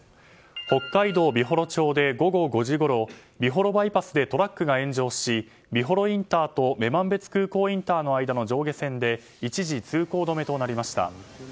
北海道美幌町で午後５時ごろ美幌バイパスでトラックが炎上し美幌インターと女満別空港インターの間の上下線で一時、通行止めとなりました。